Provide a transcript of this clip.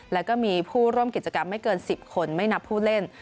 แล้วก็มีผู้ร่วมกิจกรรมไม่เกิน๑๐คนไม่นับผู้เล่น